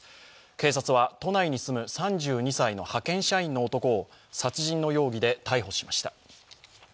警察は都内に住む３２歳の派遣社員の男を殺人の容疑で逮捕しました。